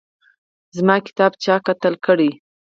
زما کتاب چا قتل کړی